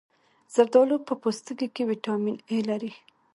زردالو په پوستکي کې ویټامین A لري.